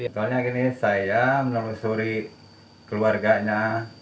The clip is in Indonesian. soalnya gini saya menelusuri keluarganya